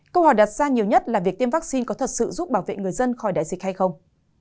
câu hỏi đặt ra nhiều nhất là việc tiêm vaccine có thật sự giúp bảo vệ người dân khỏi đại dịch hay không